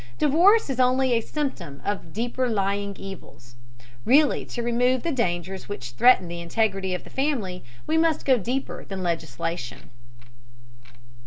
Divorce is only a symptom of deeper lying evils. Really to remove the dangers which threaten the integrity of the family we must go deeper than legislation.